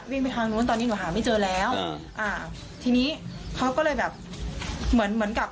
ไปทางนู้นตอนนี้หนูหาไม่เจอแล้วอ่าทีนี้เขาก็เลยแบบเหมือนเหมือนกับ